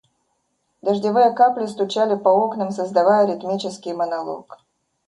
Дождевые капли стучали по окнам, создавая ритмический монолог.